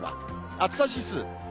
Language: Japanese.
暑さ指数。